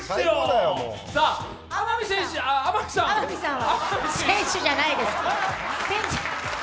天海選手選手じゃないです。